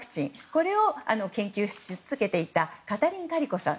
これを研究し続けていたカタリン・カリコさん。